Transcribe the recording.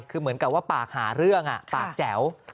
คือเหมือนกับว่าปากหาเรื่องปากแจ๋ว